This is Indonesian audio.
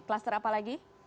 kluster apa lagi